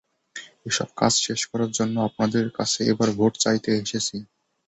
এসব কাজ শেষ করার জন্য আপনাদের কাছে আবার ভোট চাইতে এসেছি।